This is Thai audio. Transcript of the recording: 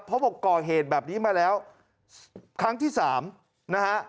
เพราะบอกก่อเหตุแบบนี้มาแล้วครั้งที่สามนะฮะ